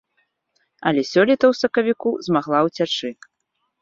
Але сёлета ў сакавіку змагла ўцячы.